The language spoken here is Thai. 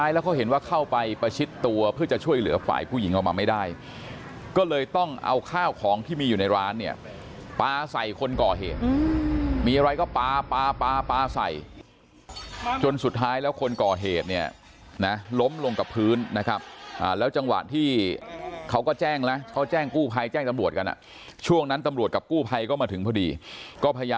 แล้วเขาเห็นว่าเข้าไปประชิดตัวเพื่อจะช่วยเหลือฝ่ายผู้หญิงออกมาไม่ได้ก็เลยต้องเอาข้าวของที่มีอยู่ในร้านเนี่ยปลาใส่คนก่อเหตุมีอะไรก็ปลาปลาใส่จนสุดท้ายแล้วคนก่อเหตุเนี่ยนะล้มลงกับพื้นนะครับแล้วจังหวะที่เขาก็แจ้งนะเขาแจ้งกู้ภัยแจ้งตำรวจกันอ่ะช่วงนั้นตำรวจกับกู้ภัยก็มาถึงพอดีก็พ